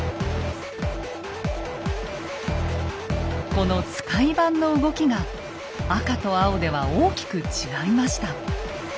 この使番の動きが赤と青では大きく違いました。